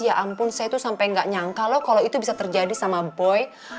ya ampun saya tuh sampe ga nyangka loh kalo itu bisa terjadi sama boy